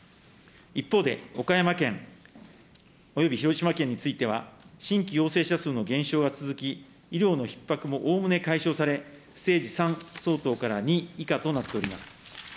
一方で、岡山県および広島県については、新規陽性者数の減少が続き、医療のひっ迫もおおむね解消され、ステージ３相当から２以下となっております。